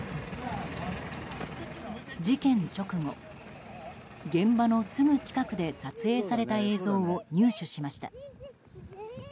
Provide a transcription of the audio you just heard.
事件直後、現場のすぐ近くで撮影された映像を入手しました。